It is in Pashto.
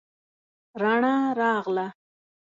رڼا راغله